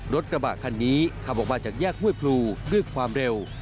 รถกระบะคันนี้ขับออกมาจากแยกห้วยพลูด้วยความเร็ว